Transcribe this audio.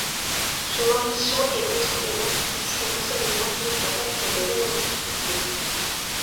Son ambition est d’être une institution d’enseignement de référence pour des jeunes en difficulté.